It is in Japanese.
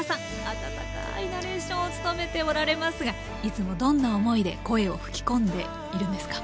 あたたかいナレーションを務めておられますがいつもどんな思いで声を吹き込んでいるんですか？